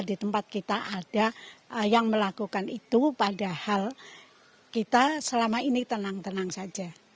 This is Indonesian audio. di tempat kita ada yang melakukan itu padahal kita selama ini tenang tenang saja